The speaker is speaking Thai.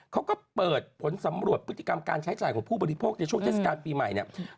เขาก็เปิดผลสำรวจพฤติกรรมการใช้จ่ายของผู้บริโภคในช่วงเทศกาลปีใหม่เนี่ย